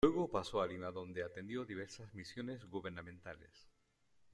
Luego pasó a Lima, donde atendió diversas misiones gubernamentales.